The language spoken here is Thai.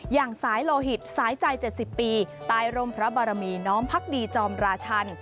อย่างสายโลหิตสายใจ๗๐ปีใต้ร่มพระบารมีน้อมพักดีจอมราชัน